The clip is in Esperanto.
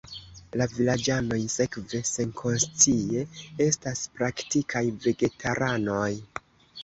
La vilaĝanoj sekve senkonscie estas praktikaj vegetaranoj.